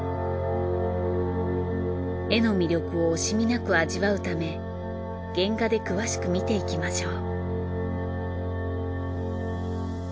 絵の魅力を惜しみなく味わうため原画で詳しく見ていきましょう。